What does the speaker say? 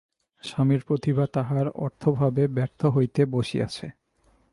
স্বামীর প্রতিভা তাহার অর্থাভাবে ব্যর্থ হইতে বসিয়াছে।